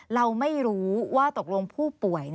เราไม่รู้ว่าตกลงผู้ป่วย